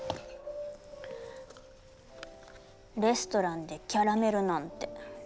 レストランでキャラメルなんて。